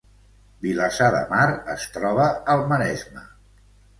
Vilassar de Mar es troba al Maresme